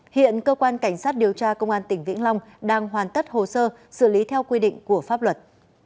hiện cơ quan cảnh sát điều tra công an tỉnh vĩnh long đang hoàn tất hồ sơ xử lý theo quy định của pháp luật